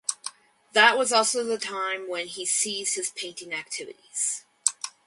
That was also the time when he seized his painting activities.